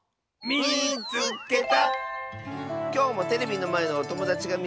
「みいつけた！」。